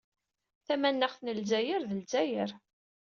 Tamanaɣt n Ledzayer d Ledzayer.